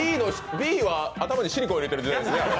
Ｂは頭にシリコン入れてる時代ですね。